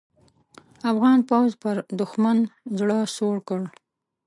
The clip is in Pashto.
افغان پوځ پر دوښمن زړه سوړ کړ.